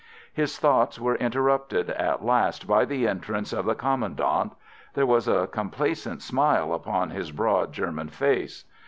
His thoughts were interrupted at last by the entrance of the Commandant. There was a complacent smile upon his broad German face.